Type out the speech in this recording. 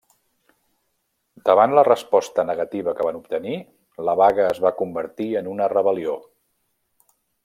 Davant la resposta negativa que van obtenir, la vaga es va convertir en una rebel·lió.